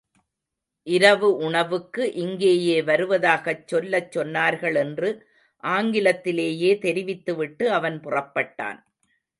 இரவு உணவுக்கு இங்கேயே வருவதாகச் சொல்லச் சொன்னார்கள் என்று ஆங்கிலத்திலேயே தெரிவித்துவிட்டு அவன் புறப்பட்டான்.